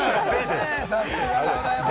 さすがでございます。